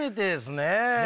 ねえ。